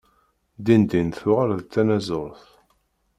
Dindin tuɣal d tanaẓurt.